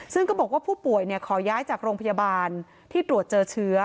ซึ่งก็บอกว่าผู้ป่วยขอย้ายจากโรงพยาบาลที่ตรวจเจอเชื้อ